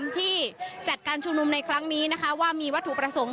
ที่จัดการชุมนุมในครั้งนี้นะคะว่ามีวัตถุประสงค์